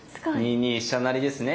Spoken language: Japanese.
２二飛車成ですね？